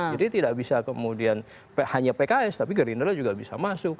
jadi tidak bisa kemudian hanya pks tapi gerindra juga bisa masuk